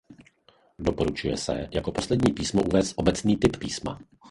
Doporučuje se jako poslední písmo uvést obecný typ písma.